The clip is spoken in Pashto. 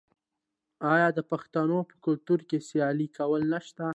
آیا د پښتنو په کلتور کې سیالي کول نشته؟